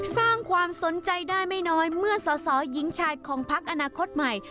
สร้างความสนใจได้ไม่น้อยเมื่อสอสอหญิงชายของพักอนาคตใหม่